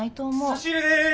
差し入れです。